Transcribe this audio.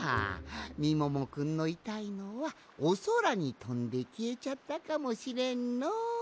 みももくんのいたいのはおそらにとんできえちゃったかもしれんのう。